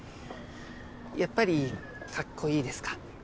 やっぱりカッコいいですか。